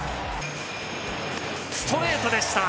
ストレートでした。